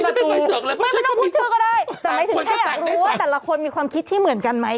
แต่หมายถึงแค่อยากรู้ว่าแต่ละคนมีความคิดที่เหมือนกันไหม